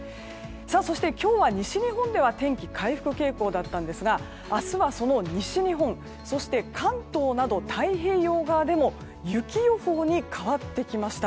そして、今日は西日本では天気が回復傾向でしたが明日は、その西日本そして、関東など太平洋側でも雪予報に変わってきました。